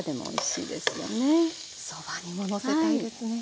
そばにものせたいですね。